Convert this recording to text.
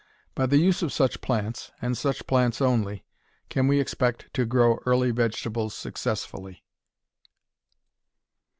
By the use of such plants, and such plants only, can we expect to grow early vegetables successfully.